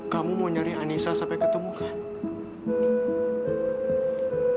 kamu mau nyari anissa sampai ketemu kan